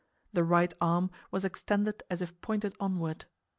The right arm was extended as if pointing onward.